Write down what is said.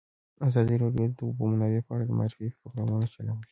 ازادي راډیو د د اوبو منابع په اړه د معارفې پروګرامونه چلولي.